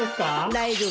大丈夫。